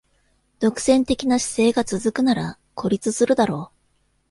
独占的な姿勢が続くなら孤立するだろう